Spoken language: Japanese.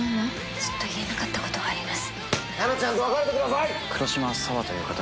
ずっと言えなかったことがあります。